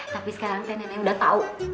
tapi sekarang nenek udah tau